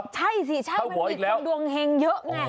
ใช่สิใช่มันมีคนดวงเฮงเยอะไง